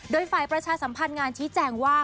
โดยฝ่ายประชาสัมพันธ์งานชี้แจงว่า